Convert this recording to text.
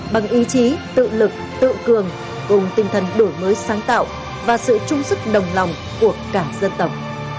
bằng ý chí tự lực tự cường cùng tinh thần đổi mới sáng tạo và sự trung sức đồng lòng của cả dân tộc